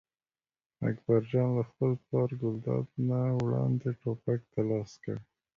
اکبر جان له خپل پلار ګلداد نه وړاندې ټوپک ته لاس کړ.